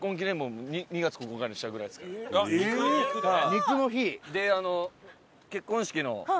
肉の日！